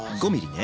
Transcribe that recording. ５ｍｍね。